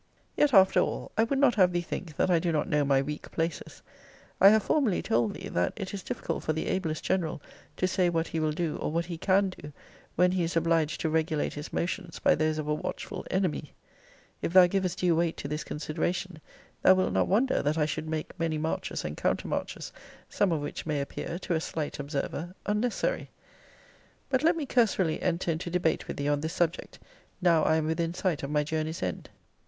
Yet, after all, I would not have thee think that I do not know my weak places. I have formerly told thee, that it is difficult for the ablest general to say what he will do, or what he can do, when he is obliged to regulate his motions by those of a watchful enemy.* If thou givest due weight to this consideration, thou wilt not wonder that I should make many marches and countermarches, some of which may appear, to a slight observer, unnecessary. * See Vol. III. Letter XXXIX. But let me cursorily enter into debate with thee on this subject, now I am within sight of my journey's end.